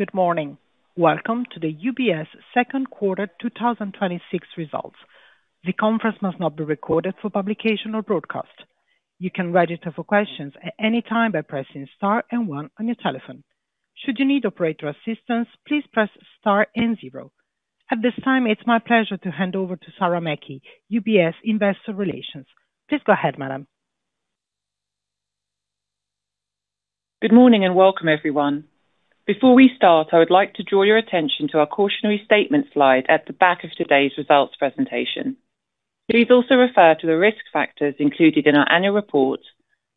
Good morning. Welcome to the UBS second quarter 2026 results. The conference must not be recorded for publication or broadcast. You can register for questions at any time by pressing star and one on your telephone. Should you need operator assistance, please press star and zero. At this time, it's my pleasure to hand over to Sarah Mackey, UBS Investor Relations. Please go ahead, madam. Good morning. Welcome everyone. Before we start, I would like to draw your attention to our cautionary statement slide at the back of today's results presentation. Please also refer to the risk factors included in our annual report,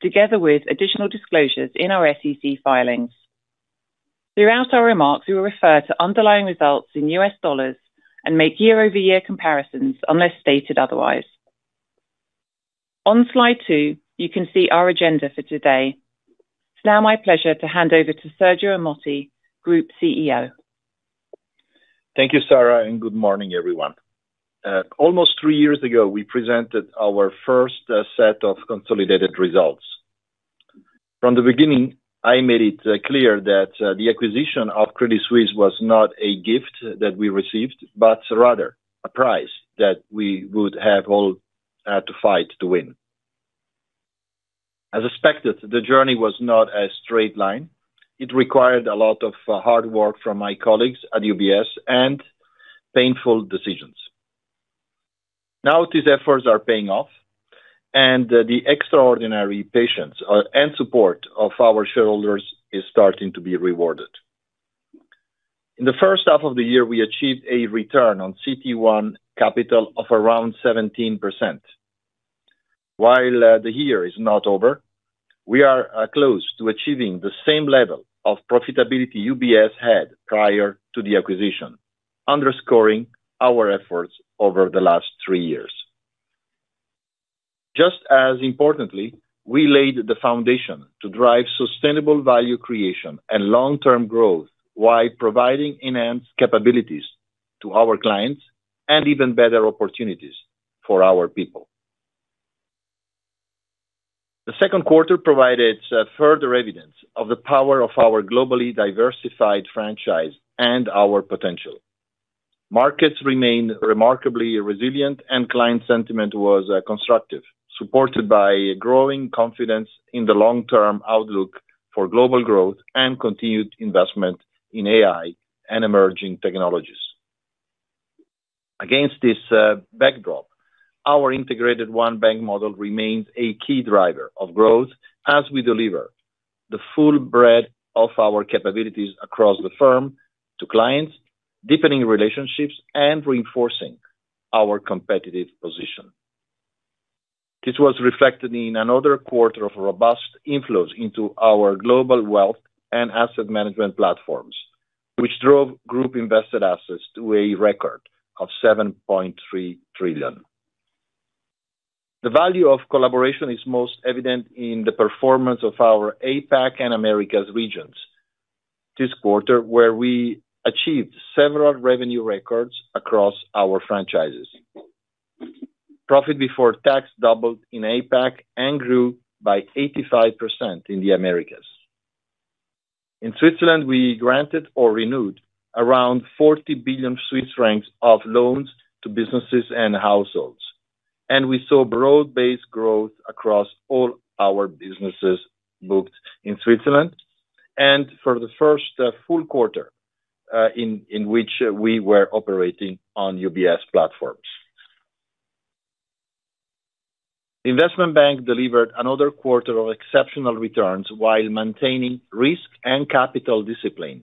together with additional disclosures in our SEC filings. Throughout our remarks, we will refer to underlying results in U.S. dollars and make year-over-year comparisons unless stated otherwise. On slide two, you can see our agenda for today. It's now my pleasure to hand over to Sergio Ermotti, Group CEO. Thank you, Sarah. Good morning everyone. Almost three years ago, we presented our first set of consolidated results. From the beginning, I made it clear that the acquisition of Credit Suisse was not a gift that we received, but rather a prize that we would have all had to fight to win. As expected, the journey was not a straight line. It required a lot of hard work from my colleagues at UBS and painful decisions. These efforts are paying off. The extraordinary patience and support of our shareholders is starting to be rewarded. In the first half of the year, we achieved a return on CET1 capital of around 17%. While the year is not over, we are close to achieving the same level of profitability UBS had prior to the acquisition, underscoring our efforts over the last three years. Just as importantly, we laid the foundation to drive sustainable value creation and long-term growth, while providing enhanced capabilities to our clients and even better opportunities for our people. The second quarter provided further evidence of the power of our globally diversified franchise and our potential. Markets remained remarkably resilient. Client sentiment was constructive, supported by growing confidence in the long-term outlook for global growth and continued investment in AI and emerging technologies. Against this backdrop, our integrated One Bank model remains a key driver of growth as we deliver the full breadth of our capabilities across the firm to clients, deepening relationships and reinforcing our competitive position. This was reflected in another quarter of robust inflows into our Global Wealth Management and Asset Management platforms, which drove group invested assets to a record of 7.3 trillion. The value of collaboration is most evident in the performance of our APAC and Americas regions this quarter, where we achieved several revenue records across our franchises. Profit before tax doubled in APAC and grew by 85% in the Americas. In Switzerland, we granted or renewed around 40 billion Swiss francs of loans to businesses and households, and we saw broad-based growth across all our businesses booked in Switzerland and for the first full quarter in which we were operating on UBS platforms. The Investment Bank delivered another quarter of exceptional returns while maintaining risk and capital discipline,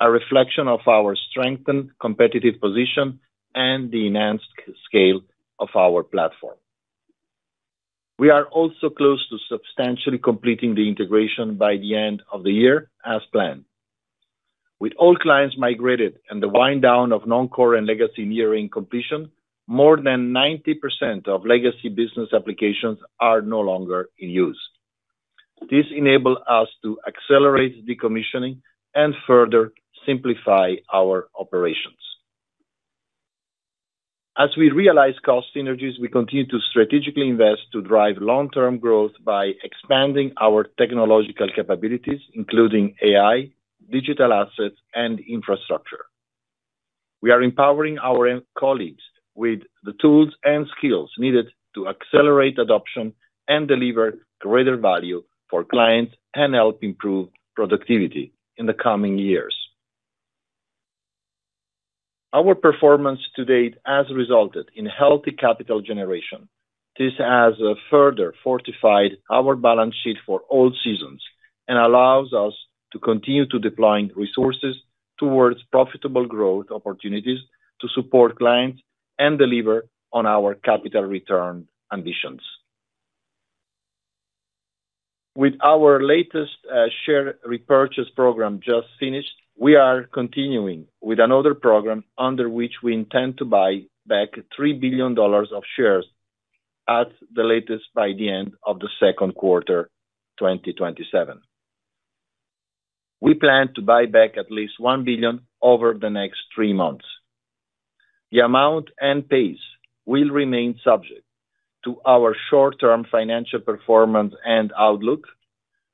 a reflection of our strengthened competitive position and the enhanced scale of our platform. We are also close to substantially completing the integration by the end of the year as planned. With all clients migrated and the wind down of Non-Core and Legacy nearing completion, more than 90% of legacy business applications are no longer in use. This enable us to accelerate decommissioning and further simplify our operations. As we realize cost synergies, we continue to strategically invest to drive long-term growth by expanding our technological capabilities, including AI, digital assets, and infrastructure. We are empowering our colleagues with the tools and skills needed to accelerate adoption and deliver greater value for clients and help improve productivity in the coming years. Our performance to date has resulted in healthy capital generation. This has further fortified our balance sheet for all seasons and allows us to continue to deploy resources towards profitable growth opportunities to support clients and deliver on our capital return ambitions. With our latest share repurchase program just finished, we are continuing with another program under which we intend to buy back $3 billion of shares at the latest by the end of the second quarter 2027. We plan to buy back at least 1 billion over the next three months. The amount and pace will remain subject to our short-term financial performance and outlook,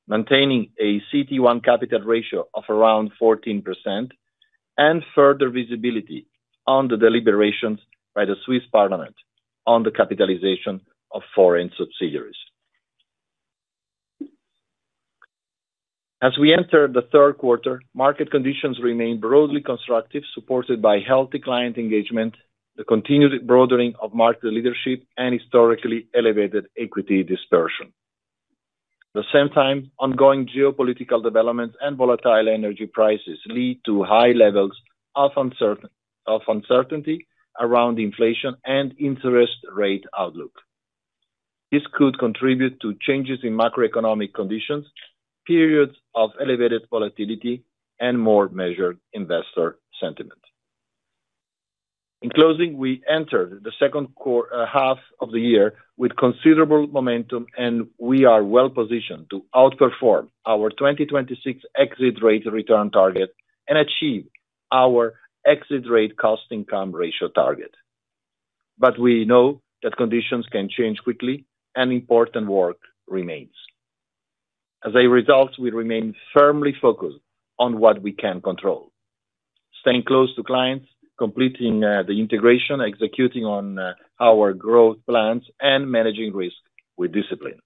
maintaining a CET1 capital ratio of around 14%, and further visibility on the deliberations by the Swiss Parliament on the capitalization of foreign subsidiaries. As we enter the third quarter, market conditions remain broadly constructive, supported by healthy client engagement, the continued broadening of market leadership, and historically elevated equity dispersion. At the same time, ongoing geopolitical developments and volatile energy prices lead to high levels of uncertainty around inflation and interest rate outlook. This could contribute to changes in macroeconomic conditions, periods of elevated volatility, and more measured investor sentiment. In closing, we enter the second half of the year with considerable momentum, and we are well-positioned to outperform our 2026 exit rate return target and achieve our exit rate cost-income ratio target. We know that conditions can change quickly, and important work remains. As a result, we remain firmly focused on what we can control. Staying close to clients, completing the integration, executing on our growth plans, and managing risk with discipline,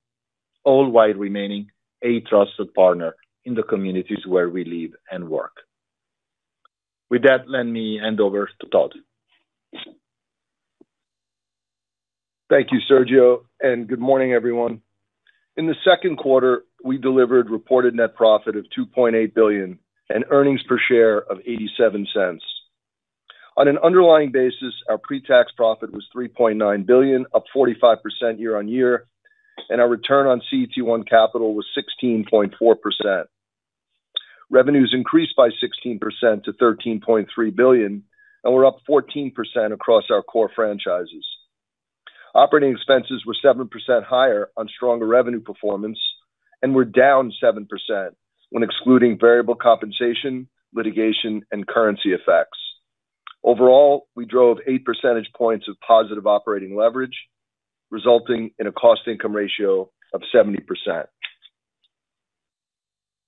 all while remaining a trusted partner in the communities where we live and work. With that, let me hand over to Todd. Thank you, Sergio, and good morning, everyone. In the second quarter, we delivered reported net profit of 2.8 billion and earnings per share of 0.87. On an underlying basis, our pre-tax profit was 3.9 billion, up 45% year-on-year, and our return on CET1 capital was 16.4%. Revenues increased by 16% to 13.3 billion, and were up 14% across our core franchises. Operating expenses were 7% higher on stronger revenue performance, and were down 7% when excluding variable compensation, litigation, and currency effects. Overall, we drove eight percentage points of positive operating leverage, resulting in a cost-income ratio of 70%.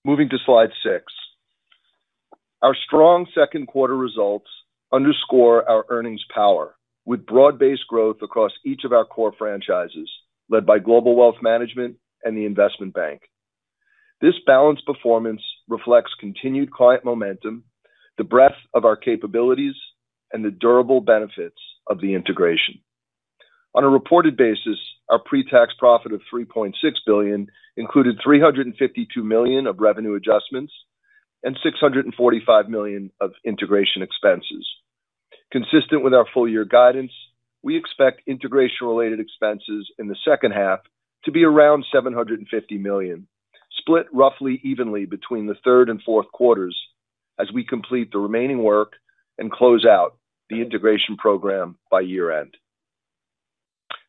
Moving to slide six. Our strong second quarter results underscore our earnings power with broad-based growth across each of our core franchises, led by Global Wealth Management and the Investment Bank. This balanced performance reflects continued client momentum, the breadth of our capabilities, and the durable benefits of the integration. On a reported basis, our pre-tax profit of 3.6 billion included 352 million of revenue adjustments and 645 million of integration expenses. Consistent with our full-year guidance, we expect integration-related expenses in the second half to be around 750 million, split roughly evenly between the third and fourth quarters as we complete the remaining work and close out the integration program by year-end.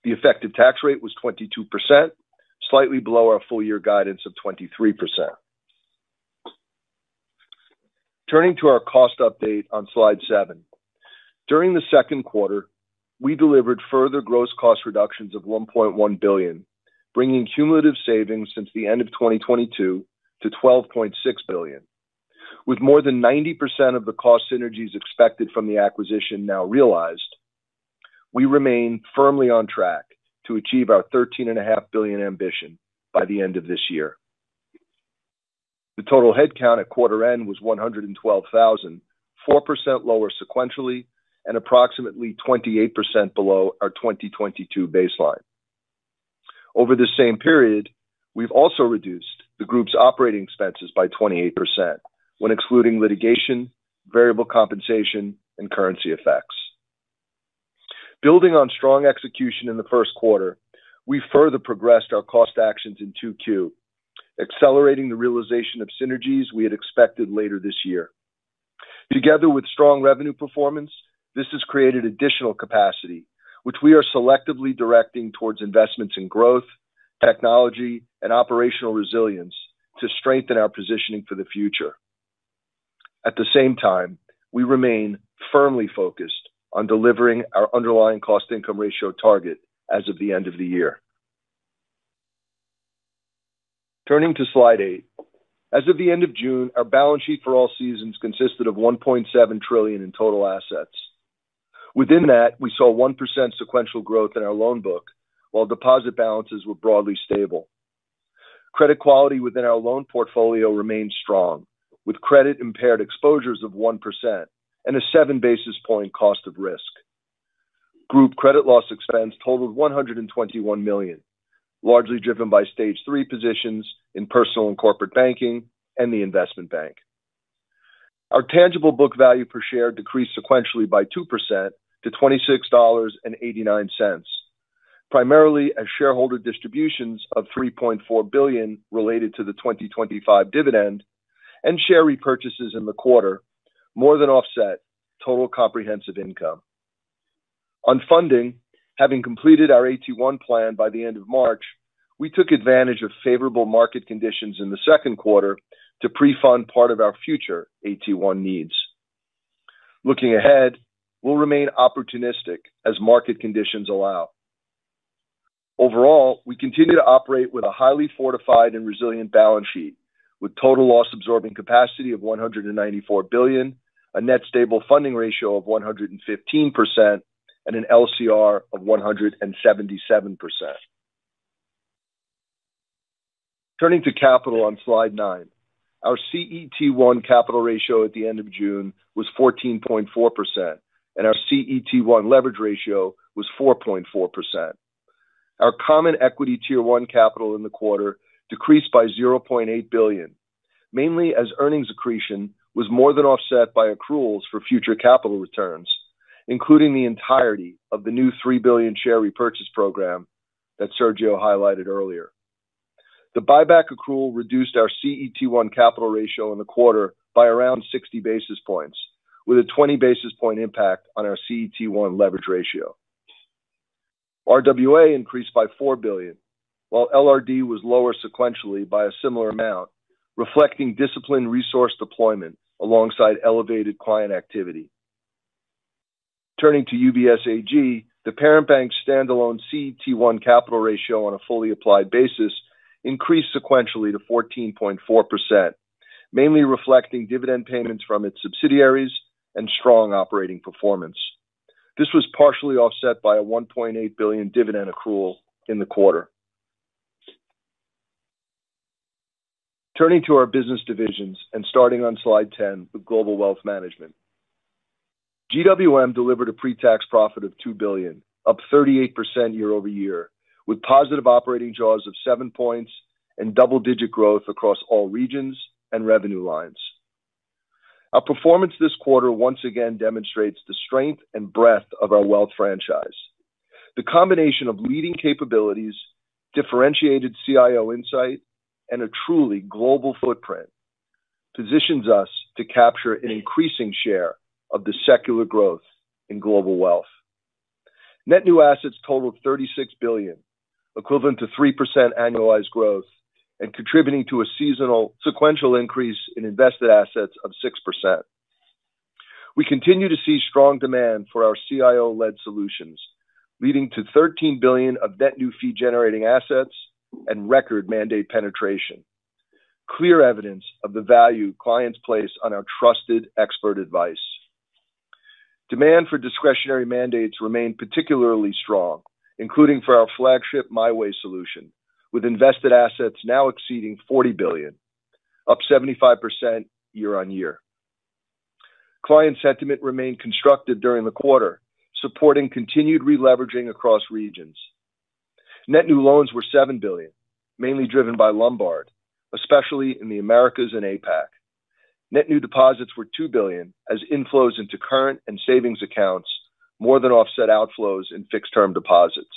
The effective tax rate was 22%, slightly below our full-year guidance of 23%. Turning to our cost update on slide seven. During the second quarter, we delivered further gross cost reductions of 1.1 billion, bringing cumulative savings since the end of 2022 to 12.6 billion. With more than 90% of the cost synergies expected from the acquisition now realized, we remain firmly on track to achieve our 13.5 billion ambition by the end of this year. The total headcount at quarter-end was 112,000, 4% lower sequentially, and approximately 28% below our 2022 baseline. Over the same period, we've also reduced the group's operating expenses by 28% when excluding litigation, variable compensation, and currency effects. Building on strong execution in the first quarter, we further progressed our cost actions in Q2, accelerating the realization of synergies we had expected later this year. Together with strong revenue performance, this has created additional capacity, which we are selectively directing towards investments in growth, technology, and operational resilience to strengthen our positioning for the future. At the same time, we remain firmly focused on delivering our underlying cost-income ratio target as of the end of the year. Turning to slide eight. As of the end of June, our balance sheet for all seasons consisted of 1.7 trillion in total assets. Within that, we saw 1% sequential growth in our loan book, while deposit balances were broadly stable. Credit quality within our loan portfolio remains strong, with credit-impaired exposures of 1% and a seven basis point cost of risk. Group credit loss expense totaled 121 million, largely driven by stage three positions in Personal & Corporate Banking and the Investment Bank. Our tangible book value per share decreased sequentially by 2% to $26.89, primarily as shareholder distributions of 3.4 billion related to the 2025 dividend and share repurchases in the quarter more than offset total comprehensive income. On funding, having completed our AT1 plan by the end of March, we took advantage of favorable market conditions in the second quarter to pre-fund part of our future AT1 needs. Looking ahead, we'll remain opportunistic as market conditions allow. Overall, we continue to operate with a highly fortified and resilient balance sheet, with total loss absorbing capacity of 194 billion, a net stable funding ratio of 115%, and an LCR of 177%. Turning to capital on slide nine. Our CET1 capital ratio at the end of June was 14.4%, and our CET1 leverage ratio was 4.4%. Our Common Equity Tier 1 capital in the quarter decreased by 0.8 billion, mainly as earnings accretion was more than offset by accruals for future capital returns, including the entirety of the new $3 billion share repurchase program that Sergio highlighted earlier. The buyback accrual reduced our CET1 capital ratio in the quarter by around 60 basis points, with a 20 basis point impact on our CET1 leverage ratio. RWA increased by 4 billion, while LRD was lower sequentially by a similar amount, reflecting disciplined resource deployment alongside elevated client activity. Turning to UBS AG, the parent bank standalone CET1 capital ratio on a fully applied basis increased sequentially to 14.4%, mainly reflecting dividend payments from its subsidiaries and strong operating performance. This was partially offset by a 1.8 billion dividend accrual in the quarter. Turning to our business divisions and starting on slide 10 with Global Wealth Management. GWM delivered a pre-tax profit of 2 billion, up 38% year-over-year, with positive operating jaws of seven points and double-digit growth across all regions and revenue lines. Our performance this quarter once again demonstrates the strength and breadth of our wealth franchise. The combination of leading capabilities, differentiated CIO insight, and a truly global footprint positions us to capture an increasing share of the secular growth in global wealth. Net new assets totaled 36 billion, equivalent to 3% annualized growth, and contributing to a sequential increase in invested assets of 6%. We continue to see strong demand for our CIO-led solutions, leading to 13 billion of net new fee-generating assets and record mandate penetration. Clear evidence of the value clients place on our trusted expert advice. Demand for discretionary mandates remained particularly strong, including for our flagship MyWay solution, with invested assets now exceeding 40 billion, up 75% year-on-year. Client sentiment remained constructive during the quarter, supporting continued releveraging across regions. Net new loans were 7 billion, mainly driven by Lombard, especially in the Americas and APAC. Net new deposits were 2 billion, as inflows into current and savings accounts more than offset outflows in fixed-term deposits.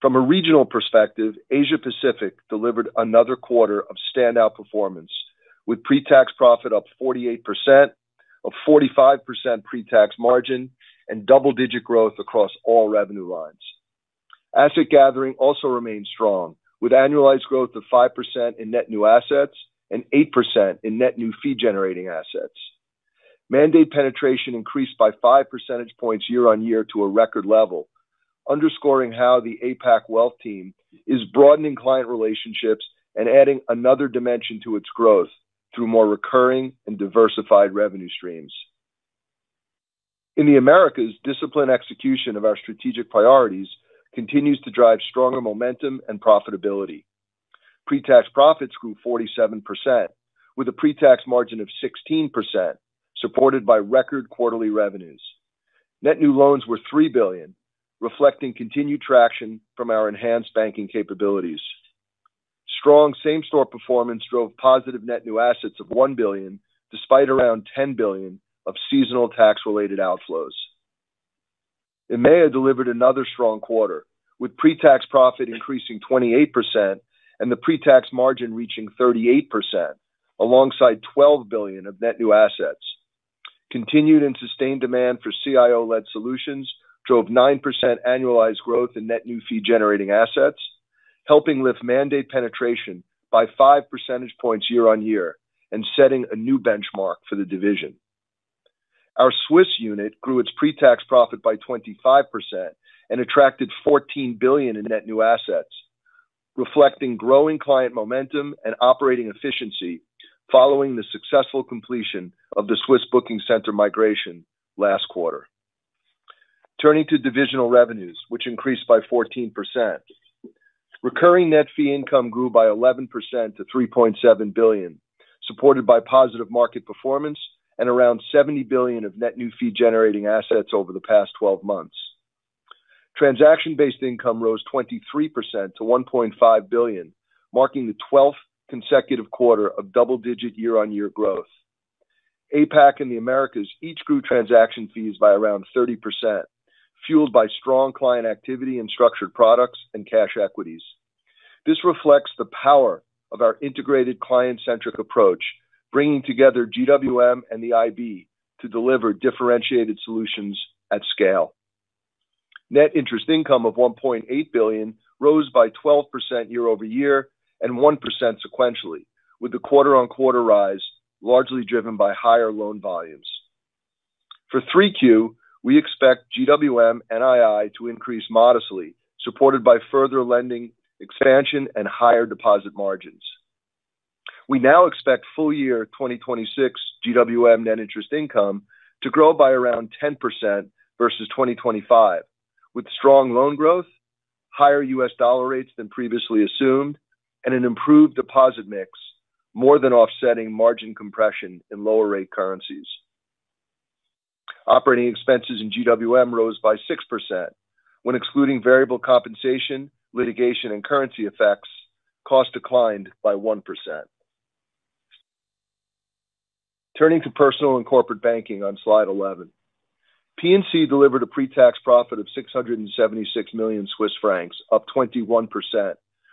From a regional perspective, Asia Pacific delivered another quarter of standout performance with pre-tax profit up 48%, a 45% pre-tax margin, and double-digit growth across all revenue lines. Asset gathering also remained strong, with annualized growth of 5% in net new assets and 8% in net new fee-generating assets. Mandate penetration increased by 5 percentage points year-on-year to a record level, underscoring how the APAC wealth team is broadening client relationships and adding another dimension to its growth through more recurring and diversified revenue streams. In the Americas, disciplined execution of our strategic priorities continues to drive stronger momentum and profitability. Pre-tax profits grew 47%, with a pre-tax margin of 16%, supported by record quarterly revenues. Net new loans were 3 billion, reflecting continued traction from our enhanced banking capabilities. Strong same-store performance drove positive net new assets of 1 billion, despite around 10 billion of seasonal tax-related outflows. EMEA delivered another strong quarter, with pre-tax profit increasing 28% and the pre-tax margin reaching 38%, alongside 12 billion of net new assets. Continued and sustained demand for CIO-led solutions drove 9% annualized growth in net new fee-generating assets, helping lift mandate penetration by 5 percentage points year-on-year and setting a new benchmark for the division. Our Swiss unit grew its pre-tax profit by 25% and attracted 14 billion in net new assets, reflecting growing client momentum and operating efficiency following the successful completion of the Swiss booking center migration last quarter. Turning to divisional revenues, which increased by 14%. Recurring net fee income grew by 11% to 3.7 billion, supported by positive market performance and around 70 billion of net new fee-generating assets over the past 12 months. Transaction-based income rose 23% to 1.5 billion, marking the 12th consecutive quarter of double-digit year-on-year growth. APAC and the Americas each grew transaction fees by around 30%, fueled by strong client activity in structured products and cash equities. This reflects the power of our integrated client-centric approach, bringing together GWM and the IB to deliver differentiated solutions at scale. Net interest income of 1.8 billion rose by 12% year-over-year and 1% sequentially, with the quarter-on-quarter rise largely driven by higher loan volumes. For 3Q, we expect GWM NII to increase modestly, supported by further lending expansion and higher deposit margins. We now expect full year 2026 GWM net interest income to grow by around 10% versus 2025, with strong loan growth, higher US dollar rates than previously assumed, and an improved deposit mix more than offsetting margin compression in lower rate currencies. Operating expenses in GWM rose by 6%. When excluding variable compensation, litigation, and currency effects, cost declined by 1%. Turning to Personal & Corporate Banking on slide 11. P&C delivered a pre-tax profit of 676 million Swiss francs, up 21%,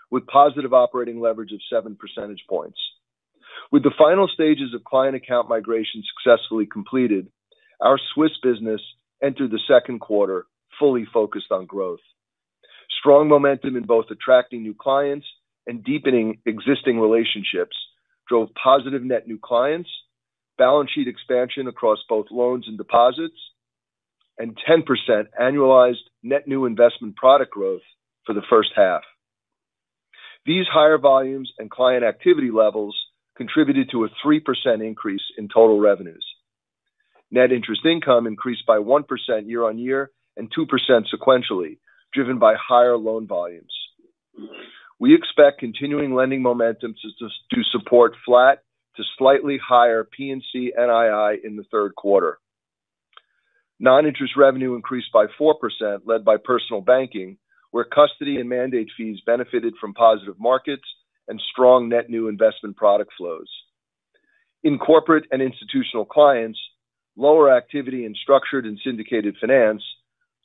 with positive operating leverage of 7 percentage points. With the final stages of client account migration successfully completed, our Swiss business entered the second quarter fully focused on growth. Strong momentum in both attracting new clients and deepening existing relationships drove positive net new clients, balance sheet expansion across both loans and deposits, and 10% annualized net new investment product growth for the first half. These higher volumes and client activity levels contributed to a 3% increase in total revenues. Net interest income increased by 1% year-on-year and 2% sequentially, driven by higher loan volumes. We expect continuing lending momentum to support flat to slightly higher P&C NII in the third quarter. Non-interest revenue increased by 4%, led by personal banking, where custody and mandate fees benefited from positive markets and strong net new investment product flows. In corporate and institutional clients, lower activity in structured and syndicated finance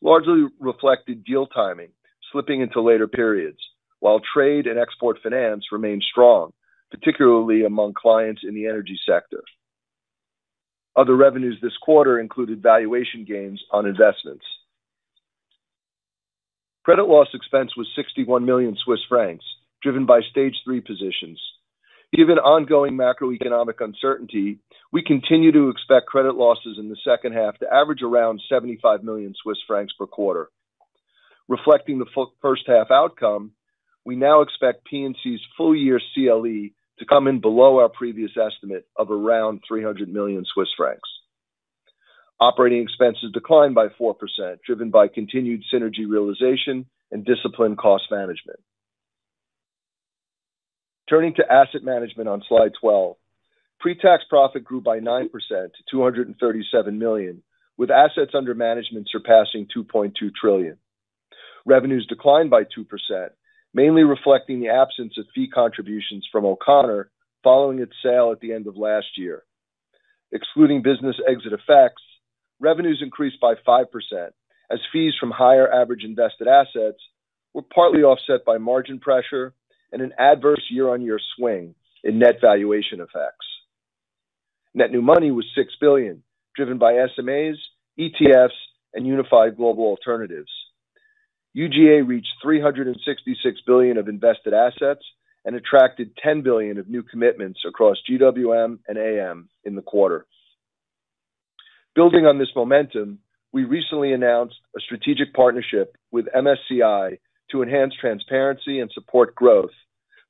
largely reflected deal timing slipping into later periods. While trade and export finance remained strong, particularly among clients in the energy sector. Other revenues this quarter included valuation gains on investments. Credit loss expense was 61 million Swiss francs, driven by stage three positions. Given ongoing macroeconomic uncertainty, we continue to expect credit losses in the second half to average around 75 million Swiss francs per quarter. Reflecting the first half outcome, we now expect P&C's full year CLE to come in below our previous estimate of around 300 million Swiss francs. Operating expenses declined by 4%, driven by continued synergy realization and disciplined cost management. Turning to Asset Management on slide 12. Pre-tax profit grew by 9% to $237 million, with assets under management surpassing $2.2 trillion. Revenues declined by 2%, mainly reflecting the absence of fee contributions from O'Connor following its sale at the end of last year. Excluding business exit effects, revenues increased by 5% as fees from higher average invested assets were partly offset by margin pressure and an adverse year-on-year swing in net valuation effects. Net new money was $6 billion, driven by SMAs, ETFs, and Unified Global Alternatives. UGA reached $366 billion of invested assets and attracted $10 billion of new commitments across GWM and AM in the quarter. Building on this momentum, we recently announced a strategic partnership with MSCI to enhance transparency and support growth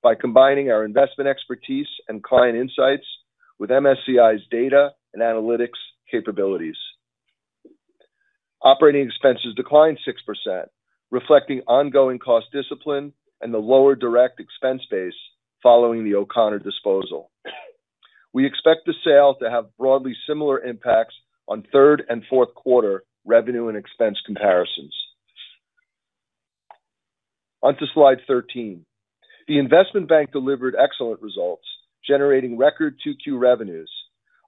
by combining our investment expertise and client insights with MSCI's data and analytics capabilities. Operating expenses declined 6%, reflecting ongoing cost discipline and the lower direct expense base following the O'Connor disposal. We expect the sale to have broadly similar impacts on third and fourth quarter revenue and expense comparisons. On to slide 13. The Investment Bank delivered excellent results, generating record 2Q revenues,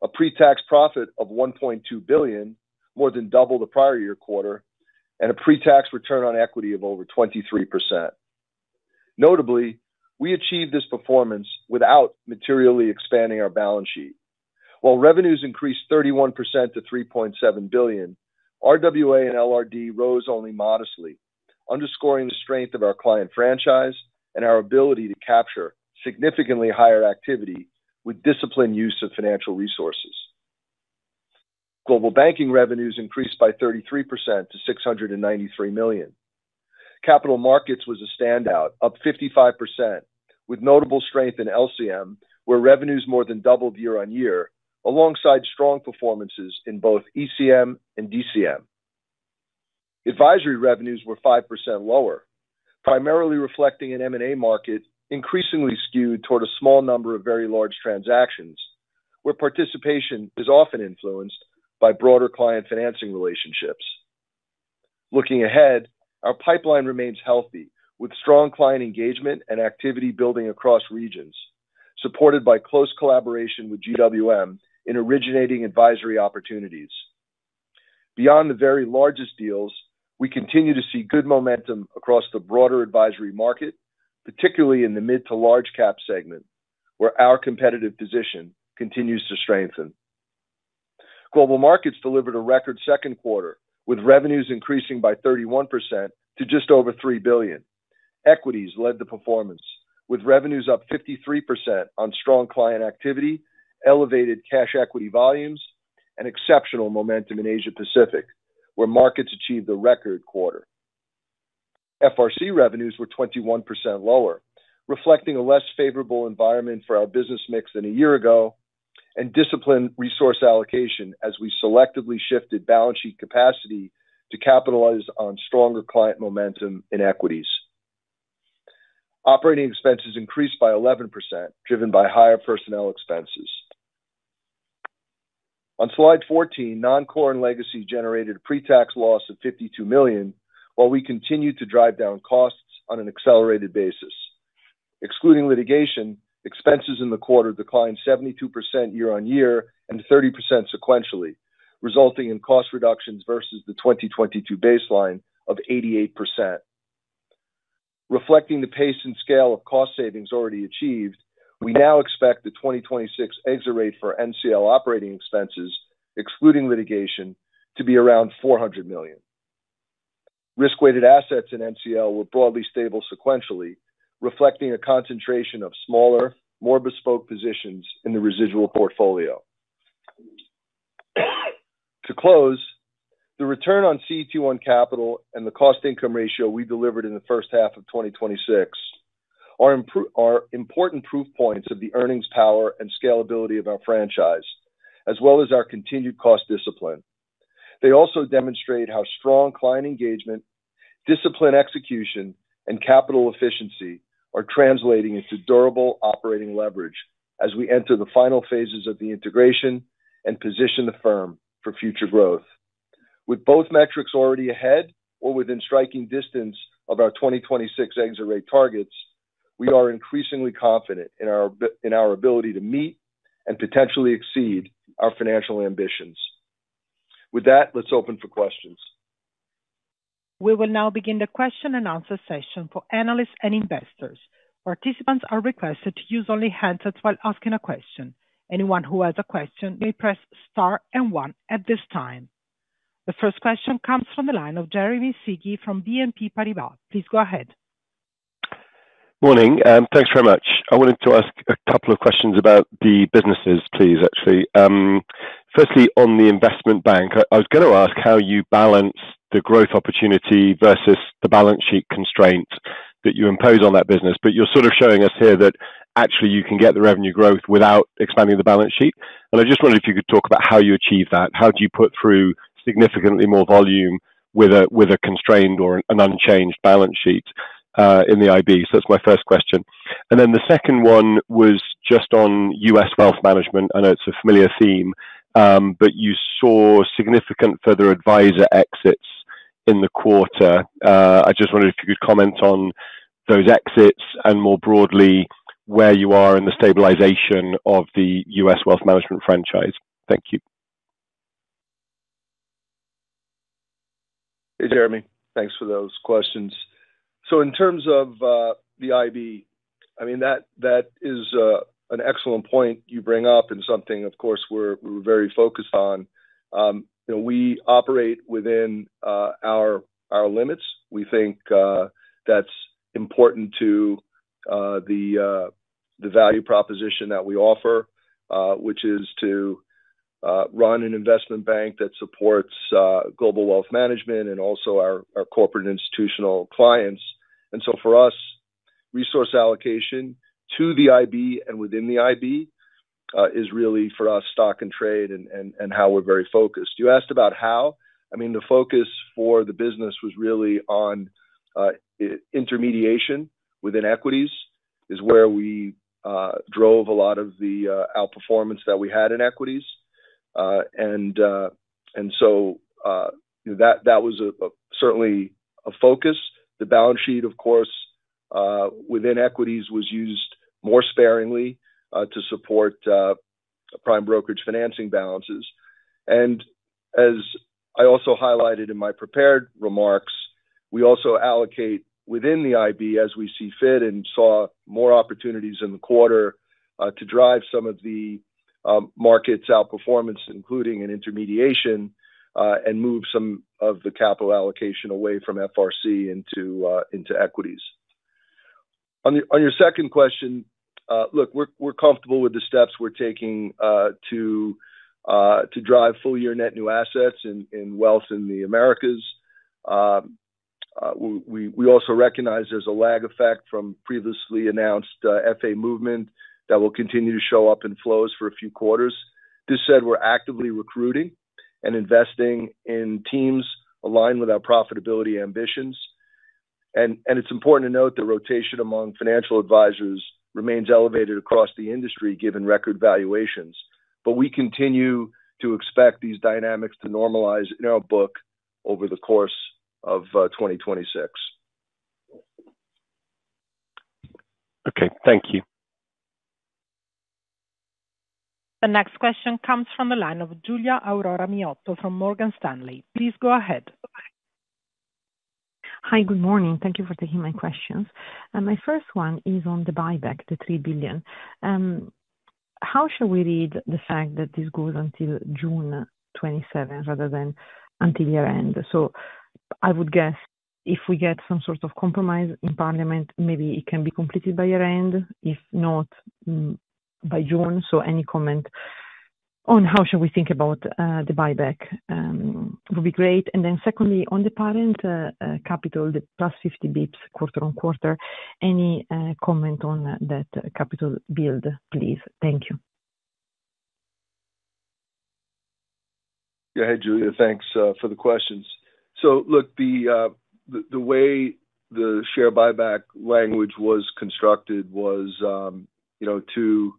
a pre-tax profit of $1.2 billion, more than double the prior year quarter, and a pre-tax return on equity of over 23%. Notably, we achieved this performance without materially expanding our balance sheet. While revenues increased 31% to $3.7 billion, RWA and LRD rose only modestly, underscoring the strength of our client franchise and our ability to capture significantly higher activity with disciplined use of financial resources. Global Banking revenues increased by 33% to $693 million. Capital Markets was a standout, up 55%, with notable strength in LCM, where revenues more than doubled year-on-year alongside strong performances in both ECM and DCM. Advisory revenues were 5% lower, primarily reflecting an M&A market increasingly skewed toward a small number of very large transactions where participation is often influenced by broader client financing relationships. Looking ahead, our pipeline remains healthy, with strong client engagement and activity building across regions supported by close collaboration with GWM in originating advisory opportunities. Beyond the very largest deals, we continue to see good momentum across the broader advisory market, particularly in the mid to large cap segment, where our competitive position continues to strengthen. Global Markets delivered a record second quarter, with revenues increasing by 31% to just over $3 billion. Equities led the performance, with revenues up 53% on strong client activity, elevated cash equity volumes, and exceptional momentum in Asia Pacific, where markets achieved a record quarter. FRC revenues were 21% lower, reflecting a less favorable environment for our business mix than a year ago, and disciplined resource allocation as we selectively shifted balance sheet capacity to capitalize on stronger client momentum in equities. Operating expenses increased by 11%, driven by higher personnel expenses. On slide 14, Non-Core and Legacy generated a pre-tax loss of $52 million, while we continued to drive down costs on an accelerated basis. Excluding litigation, expenses in the quarter declined 72% year-on-year and 30% sequentially, resulting in cost reductions versus the 2022 baseline of 88%. Reflecting the pace and scale of cost savings already achieved, we now expect the 2026 exit-rate for NCL operating expenses, excluding litigation, to be around $400 million. Risk-weighted assets in NCL were broadly stable sequentially, reflecting a concentration of smaller, more bespoke positions in the residual portfolio. To close, the return on CET1 capital and the cost-income ratio we delivered in the first half of 2026 are important proof points of the earnings power and scalability of our franchise, as well as our continued cost discipline. They also demonstrate how strong client engagement, disciplined execution, and capital efficiency are translating into durable operating leverage as we enter the final phases of the integration and position the firm for future growth. With both metrics already ahead or within striking distance of our 2026 ex-rate targets, we are increasingly confident in our ability to meet and potentially exceed our financial ambitions. With that, let's open for questions. We will now begin the question and answer session for analysts and investors. Participants are requested to use only handsets while asking a question. Anyone who has a question may press star and one at this time. The first question comes from the line of Jeremy Sigee from BNP Paribas. Please go ahead. Morning. Thanks very much. I wanted to ask a couple of questions about the businesses, please, actually. Firstly, on the Investment Bank, I was going to ask how you balance the growth opportunity versus the balance sheet constraint that you impose on that business. You're sort of showing us here that actually you can get the revenue growth without expanding the balance sheet. I just wondered if you could talk about how you achieve that. How do you put through significantly more volume with a constrained or an unchanged balance sheet in the IB? That's my first question. The second one was just on U.S. wealth management. I know it's a familiar theme, but you saw significant further advisor exits in the quarter. I just wondered if you could comment on those exits and more broadly, where you are in the stabilization of the U.S. wealth management franchise. Thank you. Hey, Jeremy. Thanks for those questions. In terms of the IB, that is an excellent point you bring up and something, of course, we're very focused on. We operate within our limits. We think that's important to the value proposition that we offer, which is to run an Investment Bank that supports Global Wealth Management and also our corporate institutional clients. For us, resource allocation to the IB and within the IB is really for us stock and trade and how we're very focused. You asked about how. The focus for the business was really on intermediation within equities, is where we drove a lot of the outperformance that we had in equities. That was certainly a focus. The balance sheet, of course, within equities was used more sparingly to support Prime Brokerage financing balances. As I also highlighted in my prepared remarks, we also allocate within the IB as we see fit and saw more opportunities in the quarter to drive some of the market's outperformance, including an intermediation, and move some of the capital allocation away from FRC into equities. On your second question, look, we're comfortable with the steps we're taking to drive full year net new assets in wealth in the Americas. We also recognize there's a lag effect from previously announced FA movement that will continue to show up in flows for a few quarters. This said, we're actively recruiting and investing in teams aligned with our profitability ambitions. It's important to note that rotation among financial advisors remains elevated across the industry given record valuations. We continue to expect these dynamics to normalize in our book over the course of 2026. Okay. Thank you. The next question comes from the line of Giulia Aurora Miotto from Morgan Stanley. Please go ahead. Hi. Good morning. Thank you for taking my questions. My first one is on the buyback, the $3 billion. How should we read the fact that this goes until June 27, rather than until year-end? I would guess if we get some sort of compromise in parliament, maybe it can be completed by year-end, if not by June. Any comment on how should we think about the buyback would be great. Secondly, on the parent capital, the plus 50 basis points quarter-on-quarter, any comment on that capital build, please? Thank you. Giulia, thanks for the questions. Look, the way the share buyback language was constructed was to do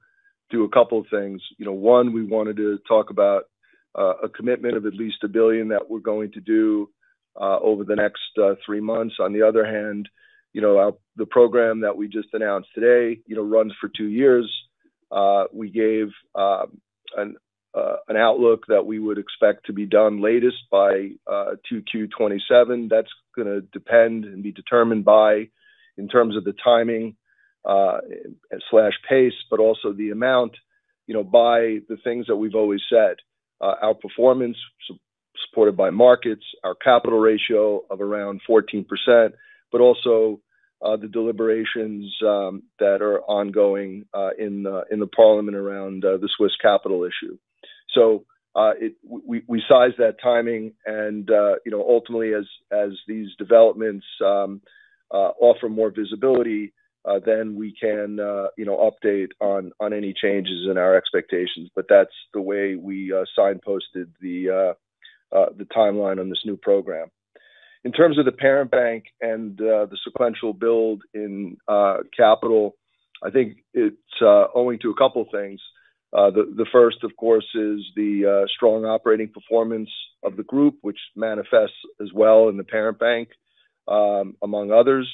a couple of things. One, we wanted to talk about a commitment of at least a billion that we're going to do over the next three months. The program that we just announced today runs for two years. We gave an outlook that we would expect to be done latest by 2Q 2027. That's going to depend and be determined by, in terms of the timing/pace, but also the amount, by the things that we've always said. Our performance supported by markets, our capital ratio of around 14%, but also the deliberations that are ongoing in the Swiss Parliament around the Swiss capital issue. We size that timing and ultimately as these developments offer more visibility, then we can update on any changes in our expectations. That's the way we signposted the timeline on this new program. In terms of the parent bank and the sequential build in capital, I think it's owing to a couple things. The first, of course, is the strong operating performance of the group, which manifests as well in the parent bank, among others.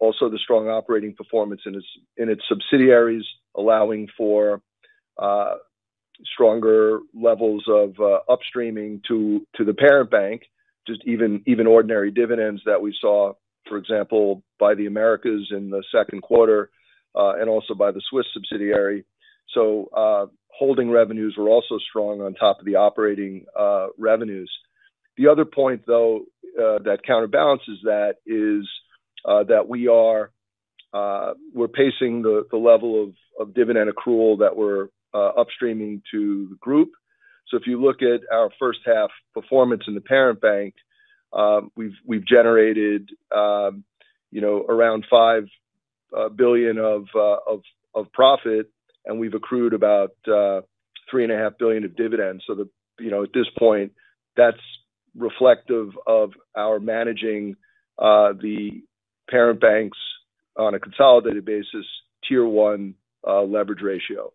Also the strong operating performance in its subsidiaries allowing for stronger levels of upstreaming to the parent bank, just even ordinary dividends that we saw, for example, by the Americas in the second quarter, and also by the Swiss subsidiary. Holding revenues were also strong on top of the operating revenues. The other point, though, that counterbalances that is that we're pacing the level of dividend accrual that we're upstreaming to the group. If you look at our first half performance in the parent bank, we've generated around 5 billion of profit, and we've accrued about 3.5 billion of dividends. At this point, that's reflective of our managing the parent banks on a consolidated basis, Tier 1 leverage ratio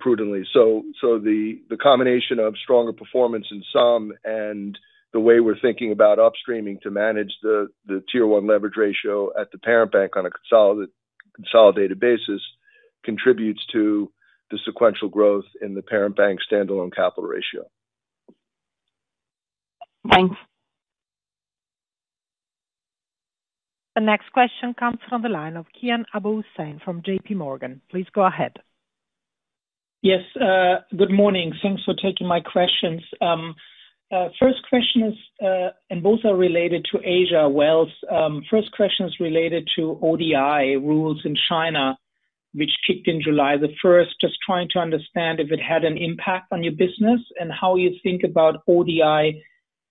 prudently. The combination of stronger performance in some and the way we're thinking about upstreaming to manage the Tier 1 leverage ratio at the parent bank on a consolidated basis contributes to the sequential growth in the parent bank standalone capital ratio. Thanks. The next question comes from the line of Kian Abouhossein from JPMorgan. Please go ahead. Yes. Good morning. Thanks for taking my questions. First question is, both are related to Asia wealth. First question is related to ODI rules in China, which kicked in July the 1st. Just trying to understand if it had an impact on your business, and how you think about ODI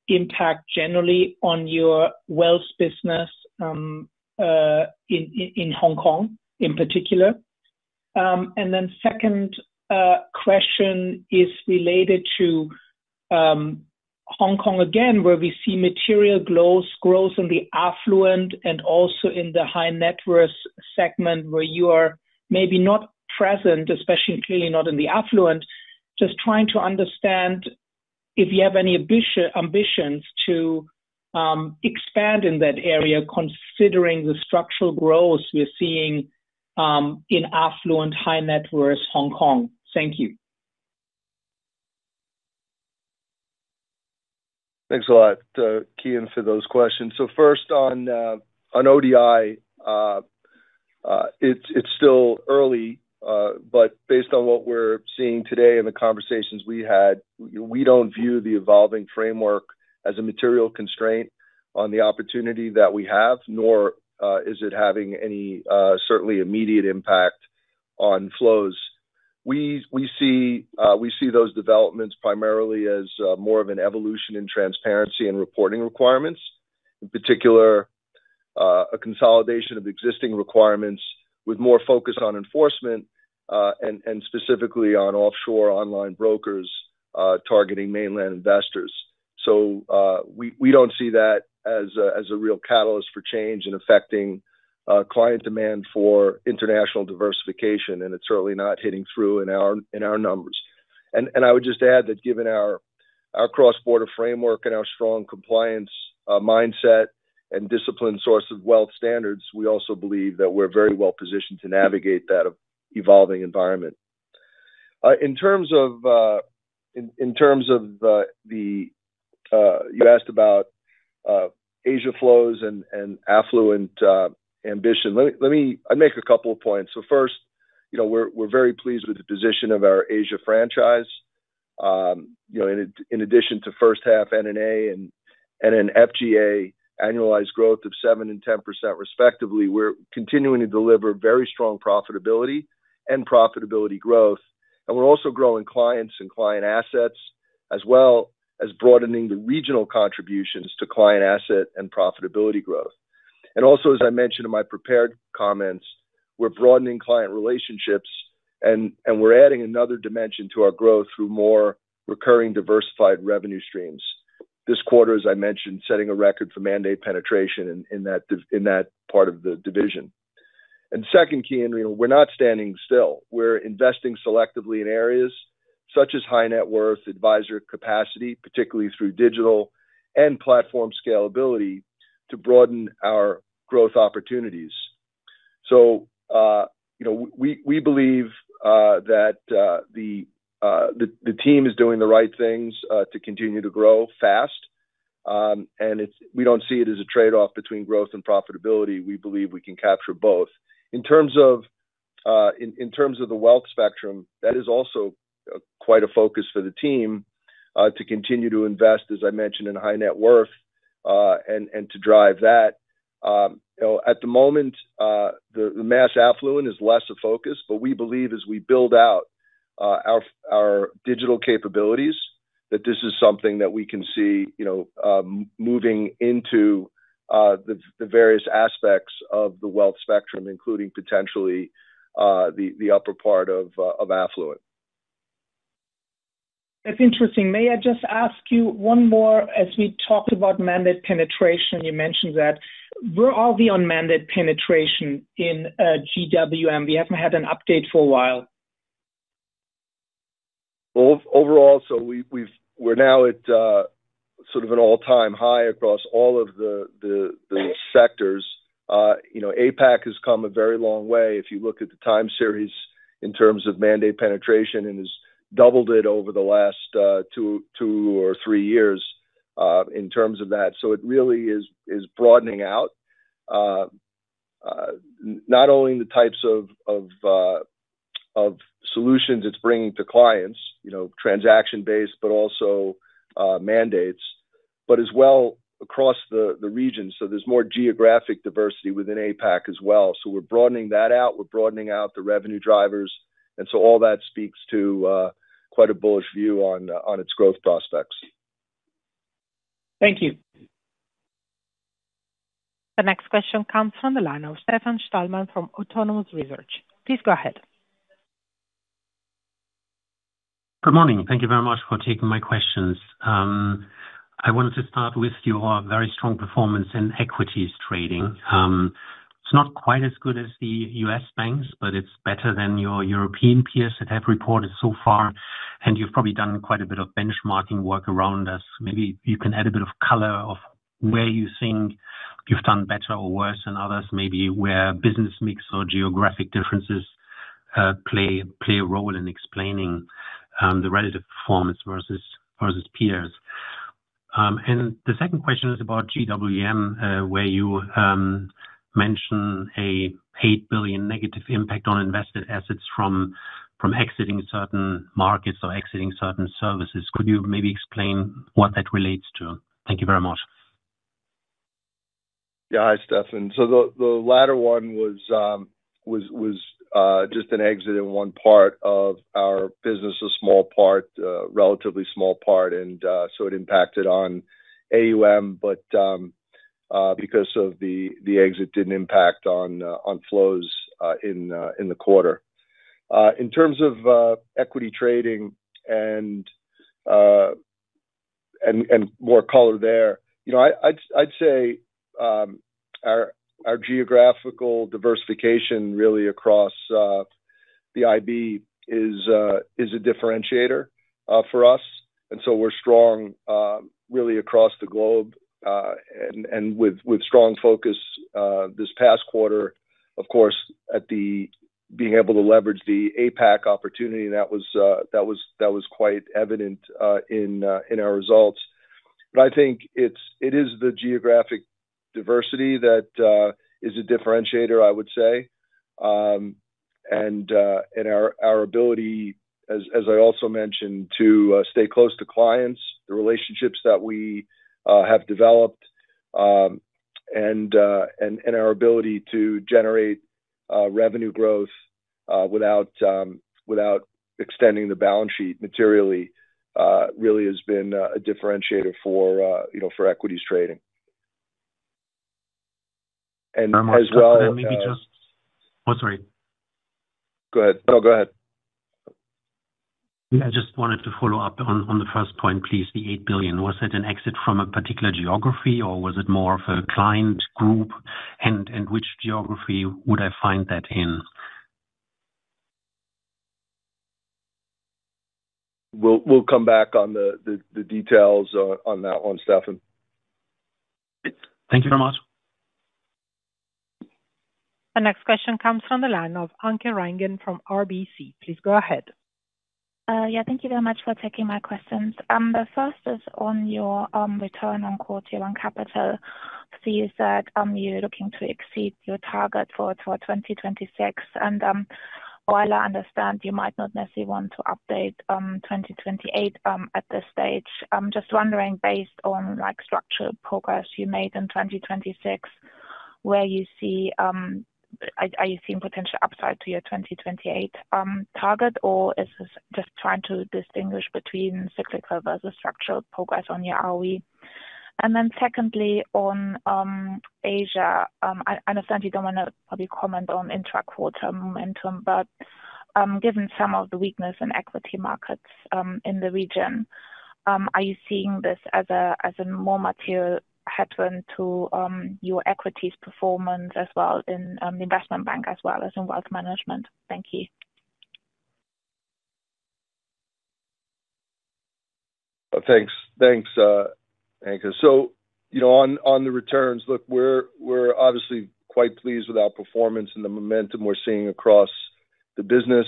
impact generally on your wealth business in Hong Kong, in particular. Second question is related to Hong Kong again, where we see material growth in the affluent and also in the high-net-worth segment where you are maybe not present, especially clearly not in the affluent. Just trying to understand if you have any ambitions to expand in that area, considering the structural growth we're seeing in affluent high-net-worth Hong Kong. Thank you. Thanks a lot, Kian, for those questions. First on ODI, it's still early. Based on what we're seeing today and the conversations we had, we don't view the evolving framework as a material constraint on the opportunity that we have, nor is it having any certainly immediate impact on flows. We see those developments primarily as more of an evolution in transparency and reporting requirements, in particular, a consolidation of existing requirements with more focus on enforcement, and specifically on offshore online brokers targeting mainland investors. We don't see that as a real catalyst for change in affecting client demand for international diversification, and it's certainly not hitting through in our numbers. I would just add that given our cross-border framework and our strong compliance mindset and discipline source of wealth standards, we also believe that we're very well positioned to navigate that evolving environment. You asked about Asia flows and affluent ambition. I'd make a couple of points. First, we're very pleased with the position of our Asia franchise. In addition to first half NNA and an FGA annualized growth of 7% and 10% respectively, we're continuing to deliver very strong profitability and profitability growth. We're also growing clients and client assets, as well as broadening the regional contributions to client asset and profitability growth. Also, as I mentioned in my prepared comments, we're broadening client relationships and we're adding another dimension to our growth through more recurring diversified revenue streams. This quarter, as I mentioned, setting a record for mandate penetration in that part of the division. Second, Kian, we're not standing still. We're investing selectively in areas such as high net worth, advisor capacity, particularly through digital and platform scalability to broaden our growth opportunities. We believe that the team is doing the right things to continue to grow fast. We don't see it as a trade-off between growth and profitability. We believe we can capture both. In terms of the wealth spectrum, that is also quite a focus for the team, to continue to invest, as I mentioned, in high net worth, and to drive that. At the moment, the mass affluent is less a focus, but we believe as we build out our digital capabilities, that this is something that we can see moving into the various aspects of the wealth spectrum, including potentially the upper part of affluent. That's interesting. May I just ask you one more, as we talked about mandate penetration, you mentioned that. Where are we on mandate penetration in GWM? We haven't had an update for a while. Overall, we're now at sort of an all-time high across all of the sectors. APAC has come a very long way. If you look at the time series in terms of mandate penetration, it has doubled it over the last two or three years in terms of that. It really is broadening out. Not only the types of solutions it's bringing to clients, transaction-based, but also mandates. As well across the region. There's more geographic diversity within APAC as well. We're broadening that out. We're broadening out the revenue drivers. All that speaks to quite a bullish view on its growth prospects. Thank you. The next question comes from the line of Stefan Stalmann from Autonomous Research. Please go ahead. Good morning. Thank you very much for taking my questions. I wanted to start with your very strong performance in equities trading. It's not quite as good as the U.S. banks, but it's better than your European peers that have reported so far. You've probably done quite a bit of benchmarking work around this. Maybe you can add a bit of color of where you think you've done better or worse than others, maybe where business mix or geographic differences play a role in explaining the relative performance versus peers. The second question is about GWM, where you mention a 8 billion negative impact on invested assets from exiting certain markets or exiting certain services. Could you maybe explain what that relates to? Thank you very much. Yeah. Hi, Stefan. The latter one was just an exit in one part of our business, a relatively small part. So it impacted on AUM, but because of the exit, didn't impact on flows in the quarter. In terms of equity trading and more color there, I'd say our geographical diversification really across the IB is a differentiator for us. So we're strong really across the globe, and with strong focus this past quarter, of course, at being able to leverage the APAC opportunity, that was quite evident in our results. I think it is the geographic diversity that is a differentiator, I would say. Our ability, as I also mentioned, to stay close to clients, the relationships that we have developed, and our ability to generate revenue growth without extending the balance sheet materially, really has been a differentiator for equities trading. And as well- Oh, sorry. Go ahead. No, go ahead. I just wanted to follow up on the first point, please. The 8 billion. Was it an exit from a particular geography, or was it more of a client group? Which geography would I find that in? We'll come back on the details on that one, Stefan. Thank you very much. The next question comes from the line of Anke Reingen from RBC. Please go ahead. Thank you very much for taking my questions. The first is on your return on core tier one capital. See is that you're looking to exceed your target for 2026, while I understand you might not necessarily want to update 2028 at this stage, I'm just wondering, based on structural progress you made in 2026, are you seeing potential upside to your 2028 target, or is this just trying to distinguish between cyclical versus structural progress on your ROE? Secondly, on Asia, I understand you don't want to probably comment on intra-quarter momentum, but given some of the weakness in equity markets in the region, are you seeing this as a more material headwind to your equities performance as well in the Investment Bank as well as in Wealth Management? Thank you. Thanks, Anke. On the returns, look, we're obviously quite pleased with our performance and the momentum we're seeing across the business.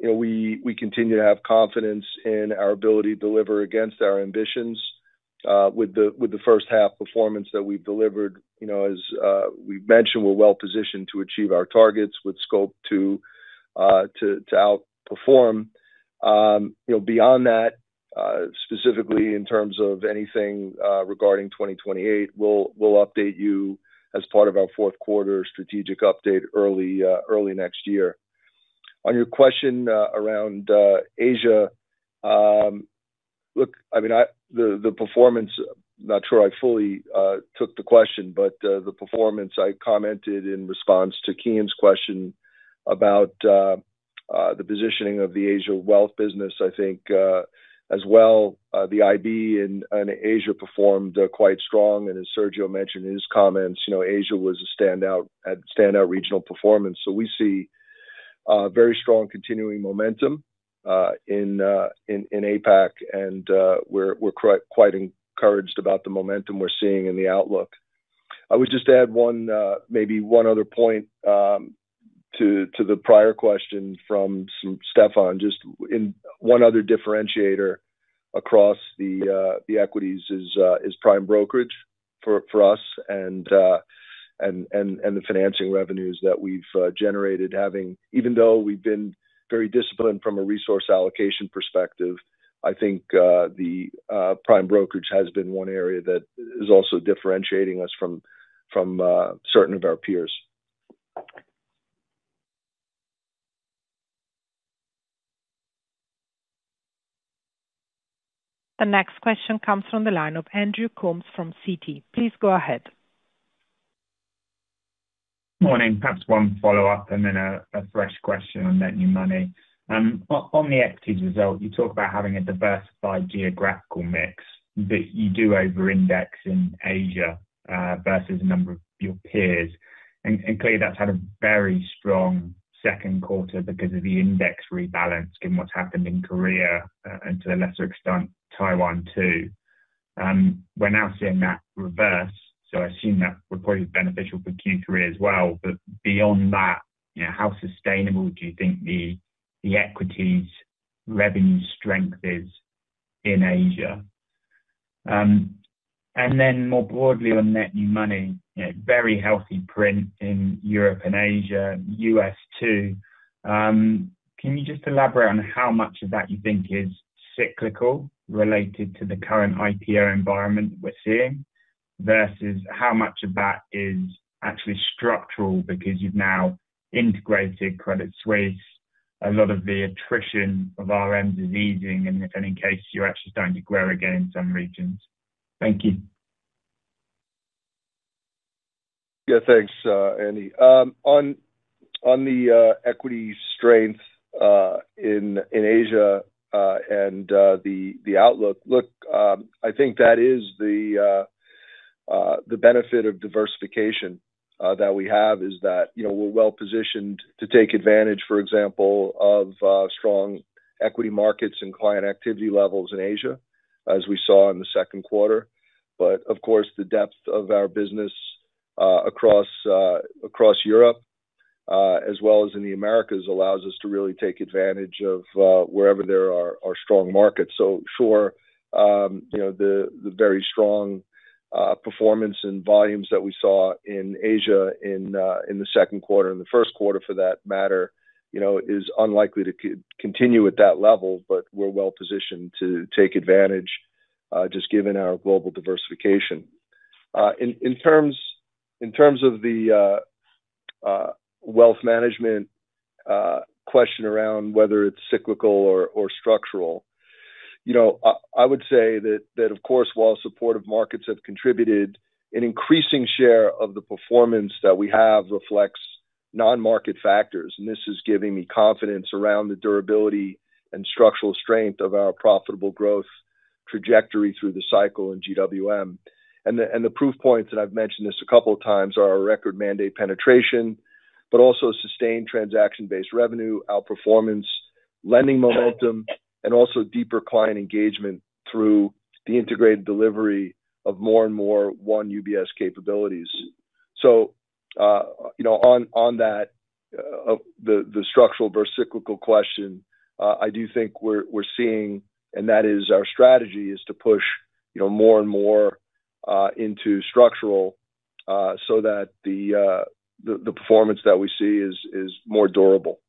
We continue to have confidence in our ability to deliver against our ambitions, with the first half performance that we've delivered. As we've mentioned, we're well-positioned to achieve our targets with scope to outperform. Beyond that, specifically in terms of anything regarding 2028, we'll update you as part of our fourth quarter strategic update early next year. On your question around Asia, the performance, not sure I fully took the question, but the performance I commented in response to Kian's question about the positioning of the Asia Wealth business, I think, as well, the IB in Asia performed quite strong, and as Sergio mentioned in his comments, Asia had standout regional performance. We see very strong continuing momentum in APAC, and we're quite encouraged about the momentum we're seeing in the outlook. I would just add maybe one other point to the prior question from Stefan, just one other differentiator across the equities is Prime Brokerage for us and the financing revenues that we've generated. Even though we've been very disciplined from a resource allocation perspective, I think the Prime Brokerage has been one area that is also differentiating us from certain of our peers. The next question comes from the line of Andrew Coombs from Citi. Please go ahead. Morning. Perhaps one follow-up and then a fresh question on net new money. On the equities result, you talk about having a diversified geographical mix, you do over-index in Asia, versus a number of your peers. Clearly, that's had a very strong second quarter because of the index rebalance, given what's happened in Korea, and to a lesser extent, Taiwan too. We're now seeing that reverse, so I assume that probably is beneficial for Q3 as well. Beyond that, how sustainable do you think the equities revenue strength is in Asia? Then more broadly on net new money, very healthy print in Europe and Asia, U.S. too. Can you just elaborate on how much of that you think is cyclical related to the current IPO environment we're seeing, versus how much of that is actually structural because you've now integrated Credit Suisse, a lot of the attrition of RM is easing and in case you're actually starting to grow again in some regions. Thank you. Yeah, thanks, Andy. On the equities strength in Asia, and the outlook. Look, I think that is the benefit of diversification that we have is that we're well-positioned to take advantage, for example, of strong equity markets and client activity levels in Asia, as we saw in the second quarter. Of course, the depth of our business across Europe, as well as in the Americas, allows us to really take advantage of wherever there are strong markets. Sure, the very strong performance and volumes that we saw in Asia in the second quarter, and the first quarter for that matter, is unlikely to continue at that level, we're well-positioned to take advantage, just given our global diversification. In terms of the wealth management question around whether it's cyclical or structural, I would say that, of course, while supportive markets have contributed, an increasing share of the performance that we have reflects non-market factors, and this is giving me confidence around the durability and structural strength of our profitable growth trajectory through the cycle in GWM. The proof points, and I've mentioned this a couple of times, are our record mandate penetration, but also sustained transaction-based revenue, outperformance, lending momentum, and also deeper client engagement through the integrated delivery of more and more one UBS capabilities. On the structural versus cyclical question, I do think we're seeing, and that is our strategy is to push more and more into structural, so that the performance that we see is more durable.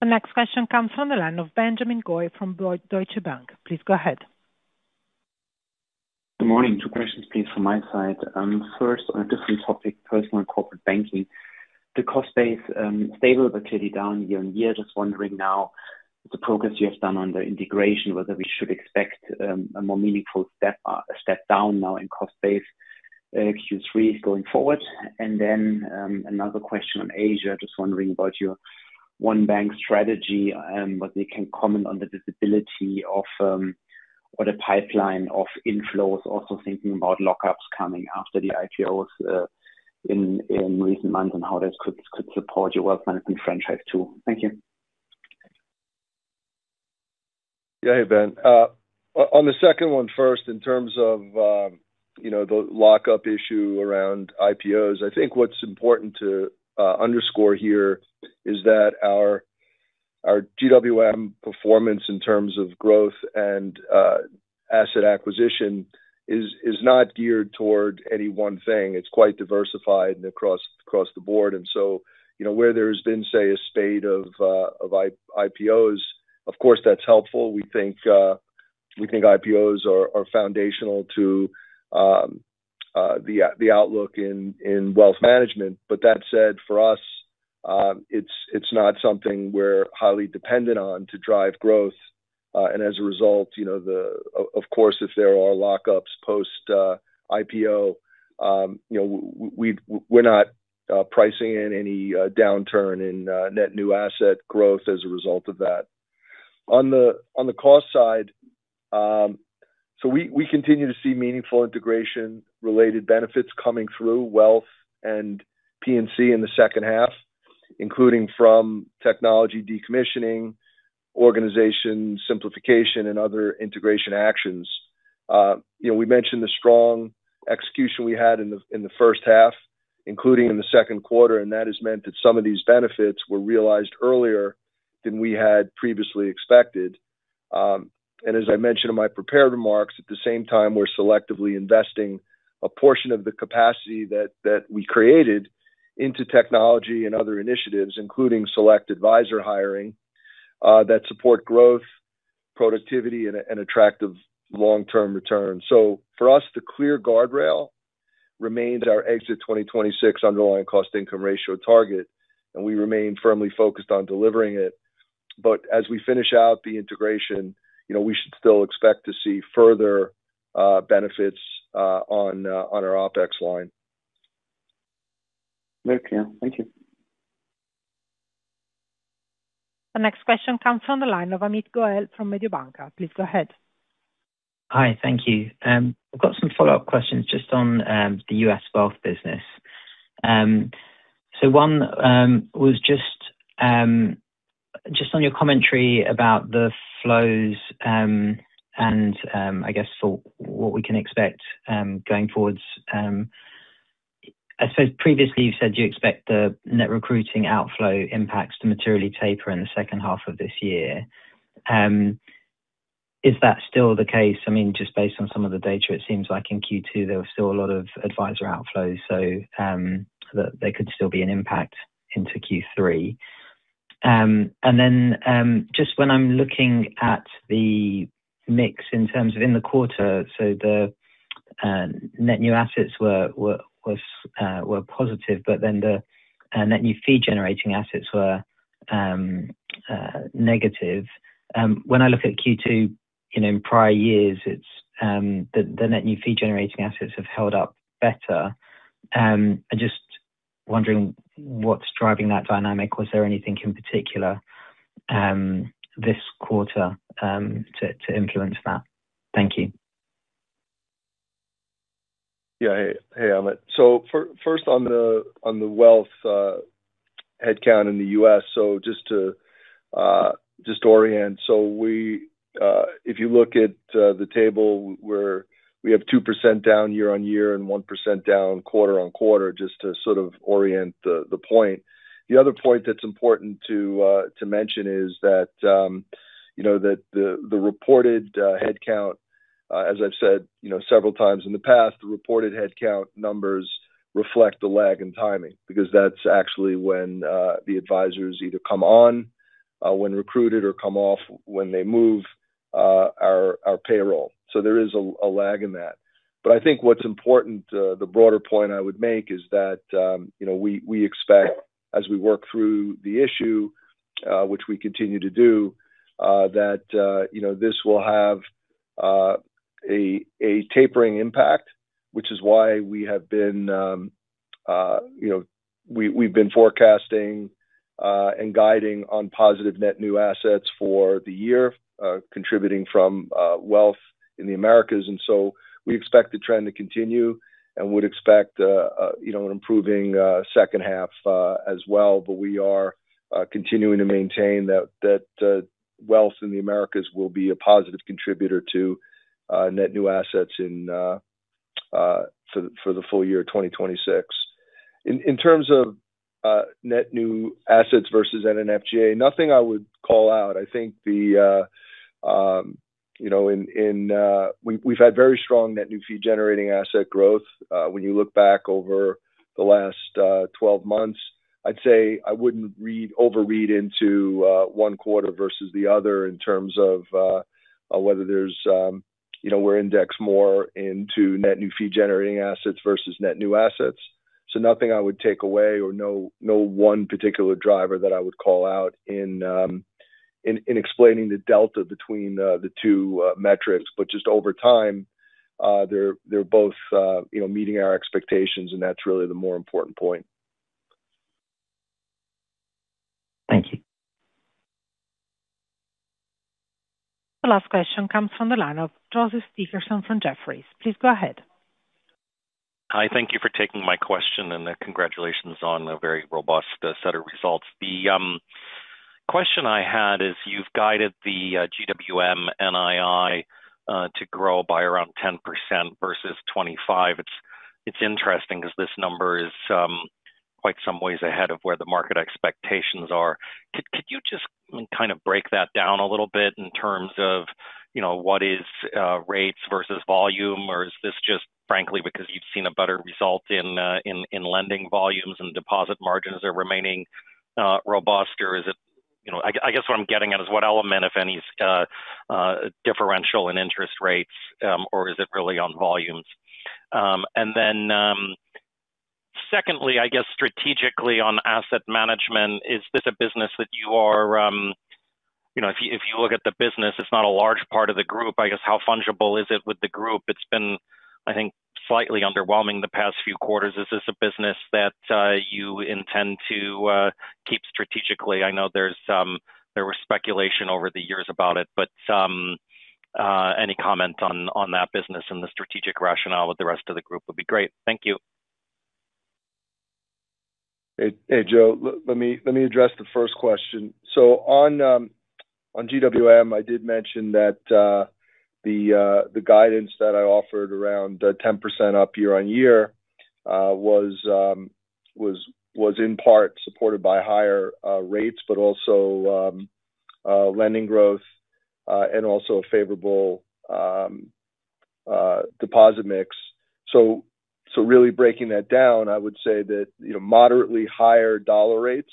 The next question comes from the line of Benjamin Goy from Deutsche Bank. Please go ahead. Good morning. Two questions, please, from my side. First, on a different topic, Personal & Corporate Banking. The cost base stable but clearly down year-on-year. Just wondering now the progress you have done on the integration, whether we should expect a more meaningful step down now in cost base Q3 going forward. Another question on Asia. Just wondering about your One Bank strategy, whether you can comment on the visibility of what a pipeline of inflows, also thinking about lockups coming after the IPOs in recent months and how this could support your wealth management franchise too. Thank you. Yeah. Hey, Ben. On the second one first, in terms of the lockup issue around IPOs, I think what's important to underscore here is that our GWM performance in terms of growth and asset acquisition is not geared toward any one thing. It's quite diversified across the board. Where there's been, say, a spate of IPOs, of course, that's helpful. We think IPOs are foundational to the outlook in wealth management. That said, for us, it's not something we're highly dependent on to drive growth. As a result, of course, if there are lockups post-IPO, we're not pricing in any downturn in net new asset growth as a result of that. On the cost side, we continue to see meaningful integration-related benefits coming through wealth and P&C in the second half, including from technology decommissioning, organization simplification, and other integration actions. We mentioned the strong execution we had in the first half, including in the second quarter, that has meant that some of these benefits were realized earlier than we had previously expected. As I mentioned in my prepared remarks, at the same time, we're selectively investing a portion of the capacity that we created into technology and other initiatives, including select advisor hiring, that support growth, productivity, and attractive long-term returns. For us, the clear guardrail remains our exit 2026 underlying cost income ratio target, and we remain firmly focused on delivering it. As we finish out the integration, we should still expect to see further benefits on our OpEx line. Very clear. Thank you. The next question comes from the line of Amit Goel from Mediobanca. Please go ahead. Hi. Thank you. I've got some follow-up questions just on the U.S. wealth business. One was just on your commentary about the flows, and I guess for what we can expect going forwards. I suppose previously you said you expect the net recruiting outflow impacts to materially taper in the second half of this year. Is that still the case? Just based on some of the data, it seems like in Q2, there were still a lot of advisor outflows, so there could still be an impact into Q3. Then, just when I'm looking at the mix in terms of in the quarter, the net new assets were positive, but then the net new fee-generating assets were negative. When I look at Q2 in prior years, the net new fee-generating assets have held up better. I'm just wondering what's driving that dynamic. Was there anything in particular this quarter to influence that? Thank you. Yeah. Hey, Amit. First, on the wealth headcount in the U.S., just to orient. If you look at the table where we have 2% down year-on-year and 1% down quarter-on-quarter, just to sort of orient the point. The other point that's important to mention is that the reported headcount, as I've said several times in the past, the reported headcount numbers reflect the lag in timing because that's actually when the advisors either come on when recruited or come off when they move our payroll. There is a lag in that. I think what's important, the broader point I would make is that we expect as we work through the issue, which we continue to do, that this will have a tapering impact, which is why we've been forecasting and guiding on positive net new assets for the year, contributing from wealth in the Americas. We expect the trend to continue and would expect an improving second half as well. We are continuing to maintain that wealth in the Americas will be a positive contributor to net new assets for the full year 2026. In terms of net new assets versus NNFGA, nothing I would call out. We've had very strong net new fee-generating asset growth. When you look back over the last 12 months, I'd say I wouldn't overread into one quarter versus the other in terms of whether we're indexed more into net new fee-generating assets versus net new assets. Nothing I would take away or no one particular driver that I would call out in explaining the delta between the two metrics. Just over time, they're both meeting our expectations, and that's really the more important point. Thank you. The last question comes from the line of Joseph Dickerson from Jefferies. Please go ahead. Hi. Thank you for taking my question, and congratulations on a very robust set of results. The question I had is you've guided the GWM NII to grow by around 10% versus 2025. It's interesting because this number is quite some ways ahead of where the market expectations are. Could you just kind of break that down a little bit in terms of what is rates versus volume, or is this just frankly because you've seen a better result in lending volumes and deposit margins are remaining robust? I guess what I'm getting at is what element, if any, is differential in interest rates, or is it really on volumes? Secondly, I guess strategically on Asset Management, is this a business that you are if you look at the business, it's not a large part of the group. I guess how fungible is it with the group? It's been, I think, slightly underwhelming the past few quarters. Is this a business that you intend to keep strategically? I know there was speculation over the years about it, but any comment on that business and the strategic rationale with the rest of the group would be great. Thank you. Hey, Joe. Let me address the first question. On GWM, I did mention that the guidance that I offered around 10% up year-over-year was in part supported by higher rates, also lending growth, and also a favorable deposit mix. Really breaking that down, I would say that moderately higher dollar rates,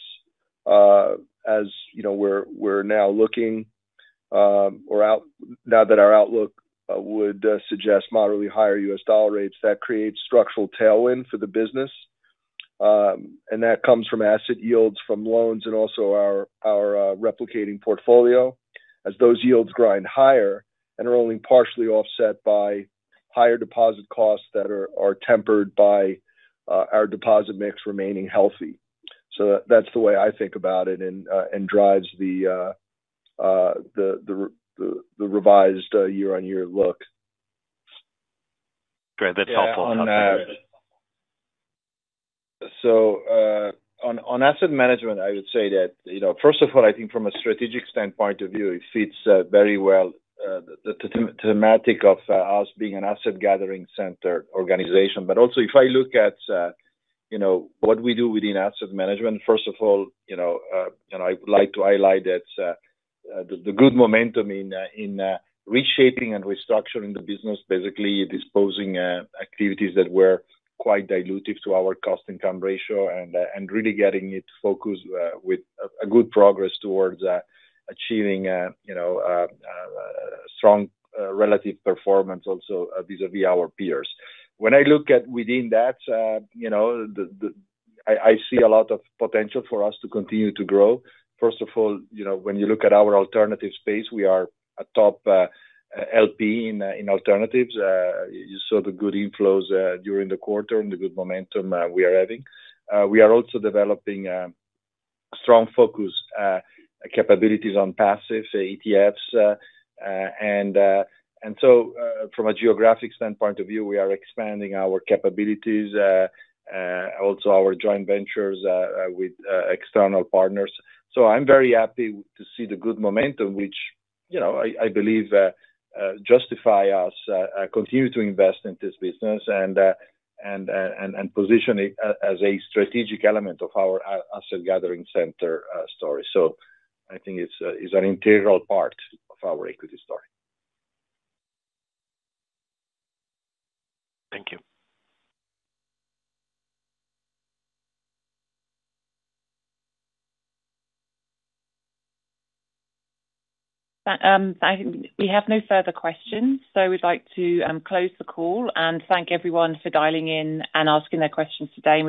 now that our outlook would suggest moderately higher US dollar rates, that creates structural tailwind for the business. That comes from asset yields from loans and also our replicating portfolio as those yields grind higher and are only partially offset by higher deposit costs that are tempered by our deposit mix remaining healthy. That's the way I think about it and drives the revised year-over-year look. Great. That's helpful. On Asset Management, I would say that, first of all, I think from a strategic standpoint of view, it fits very well the thematic of us being an asset-gathering center organization. Also if I look at what we do within Asset Management, first of all I would like to highlight that the good momentum in reshaping and restructuring the business, basically disposing activities that were quite dilutive to our cost/income ratio and really getting it focused with a good progress towards achieving a strong relative performance also vis-à-vis our peers. When I look at within that, I see a lot of potential for us to continue to grow. First of all, when you look at our alternative space, we are a top LP in alternatives. You saw the good inflows during the quarter and the good momentum we are having. We are also developing strong focus capabilities on passive ETFs. From a geographic standpoint of view, we are expanding our capabilities, also our joint ventures with external partners. I'm very happy to see the good momentum, which I believe justify us continue to invest in this business and position it as a strategic element of our asset-gathering center story. I think it's an integral part of our equity story. Thank you. We have no further questions, so we'd like to close the call and thank everyone for dialing in and asking their questions today.